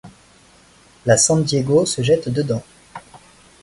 La San Diego se jette dedans.